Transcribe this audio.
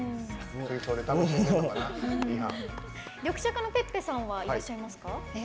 リョクシャカのｐｅｐｐｅさんはいらっしゃいますか？